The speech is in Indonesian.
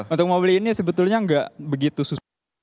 untuk mau beli ini sebetulnya gak begitu susah